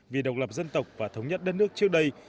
vì độc lập dân tộc và thống nhất đất nước trước đây